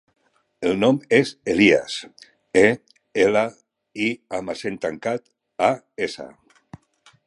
El nom és Elías: e, ela, i amb accent tancat, a, essa.